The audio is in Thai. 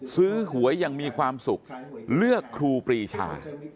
ซื้อหวยอย่างมีความสุขเลือกครูปีชา